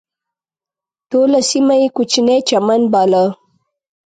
ټوله سیمه یې کوچنی چمن باله.